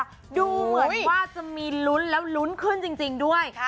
ดูเหมือนว่าจะมีลุ้นแล้วลุ้นขึ้นจริงด้วย